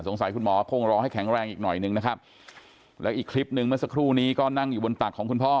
คุณหมอคงรอให้แข็งแรงอีกหน่อยหนึ่งนะครับแล้วอีกคลิปหนึ่งเมื่อสักครู่นี้ก็นั่งอยู่บนตักของคุณพ่อ